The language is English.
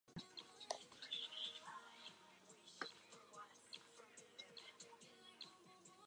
Personnel worked in three shifts to accelerate work.